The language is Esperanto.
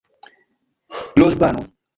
loĵbano